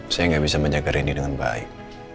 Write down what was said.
saya nggak bisa menjaga reni dengan baik